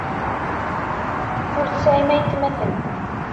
Ur tesɛim aytmaten.